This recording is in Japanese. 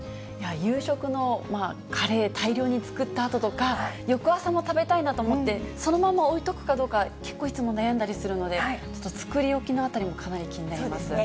夕食のカレー、大量に作ったあととか、翌朝も食べたいなと思って、そのまま置いとくかどうか、結構いつも悩んだりするので、ちょっと作り置きのあたりもかなそうですね。